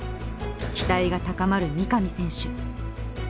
期待が高まる三上選手。